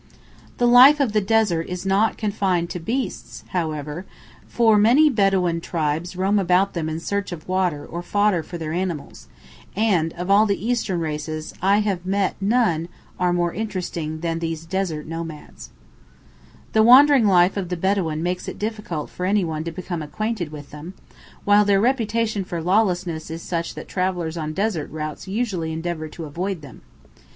The life of the desert is not confined to the beasts, however, for many Bedawīn tribes roam about them in search of water or fodder for their animals, and of all the Eastern races I have met none are more interesting than these desert nomads. [Illustration: DESERT ARABS.] The wandering life of the Bedawīn makes it difficult for anyone to become acquainted with them, while their reputation for lawlessness is such that travellers on desert routes usually endeavour to avoid them.